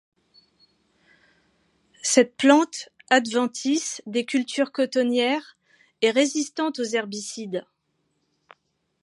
Cette plante adventice des cultures cotonnières est résistante aux herbicides.